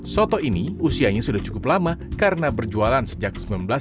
soto ini usianya sudah cukup lama karena berjualan sejak seribu sembilan ratus sembilan puluh